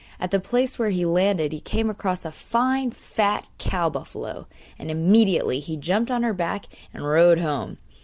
At the place where he landed he came across a fine fat cow buffalo, and immediately he jumped on her back and rode home.